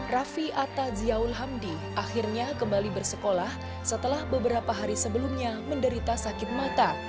raffi atta ziyaul hamdi akhirnya kembali bersekolah setelah beberapa hari sebelumnya menderita sakit mata